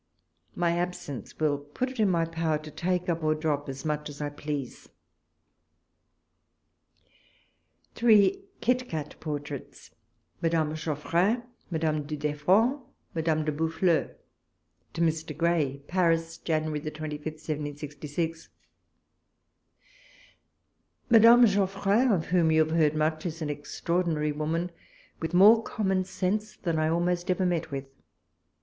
My absence will put it in my power to take up or drop as much as 1 please. THREE KIT C^iT PORTRAITS— MADAME GEOF FJRIN— MADAME DU VEFFAXD MADAME DE BOVFFLEJiS. To Mr. Gray. Paris, Jan. 25, 1766. ... Madame Geofprin, of whom you have heard much, is an extraordinary woman, with more common sense than I almost ever met with.